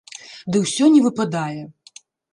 Ды ўсё не выпадае.